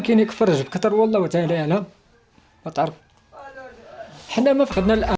kedua putra sulungnya yang berada di lantai atas berhasil meninggal